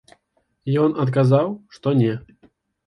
Ён адказаў, што не.